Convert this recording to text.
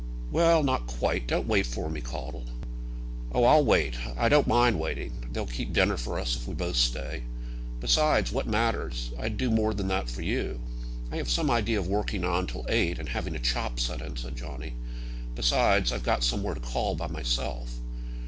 "Well, not quite. Don't wait for me, Caudle." "Oh, I'll wait. I don't mind waiting. They'll keep dinner for us if we both stay. Besides, what matters? I'd do more than that for you." "I have some idea of working on till eight, and having a chop sent in," said Johnny. "Besides I've got somewhere to call, by myself."